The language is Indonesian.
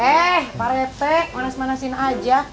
eh pak rt manas manasin aja